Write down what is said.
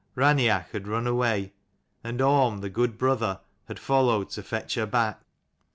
Raineach had run away, and Orm, the good brother, had followed to fetch her back.